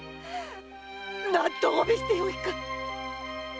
何とお詫びしてよいか！